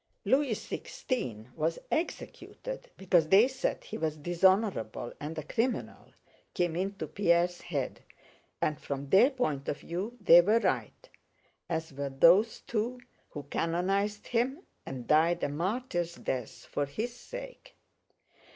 * I love you. "Louis XVI was executed because they said he was dishonorable and a criminal," came into Pierre's head, "and from their point of view they were right, as were those too who canonized him and died a martyr's death for his sake.